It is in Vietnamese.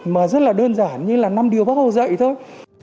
mà rất là đơn giản như là năm điều bác hồ dạy thôi